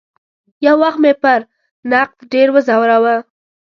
یو وخت مې پر نقد ډېر وځوراوه.